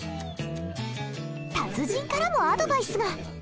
達人からもアドバイスが！